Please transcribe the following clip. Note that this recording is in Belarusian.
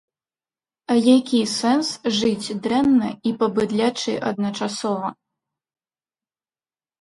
А які сэнс жыць дрэнна і па-быдлячы адначасова?